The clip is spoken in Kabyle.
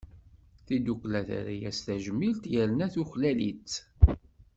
Tidukkla terra-as tajmilt, yerna tuklal-itt.